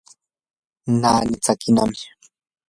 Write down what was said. naani tsakinami.